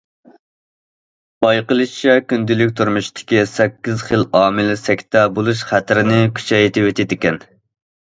بايقىلىشىچە، كۈندىلىك تۇرمۇشتىكى سەككىز خىل ئامىل سەكتە بولۇش خەتىرىنى كۈچەيتىۋېتىدىكەن.